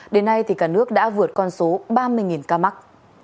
đến nay cả nước đã vượt con số ba mươi ca mắc